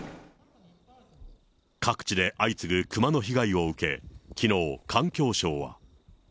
各地で相次ぐクマの被害を受け、きのう、環境省は。